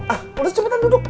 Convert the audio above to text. ah udah cepetan duduk